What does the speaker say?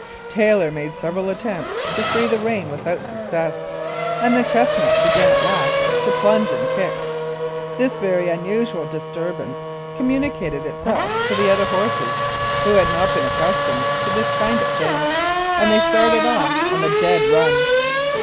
Taylor made several attempts to free the rein without success, and the chest nut began at last to plunge and kick. This very un usual disturbance communicated itself to the other horses, who had not been accustomed to this kind of thing, and they started off on the dead run.